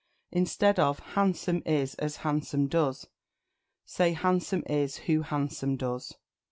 Instead of "Handsome is as handsome does," say "Handsome is who handsome does."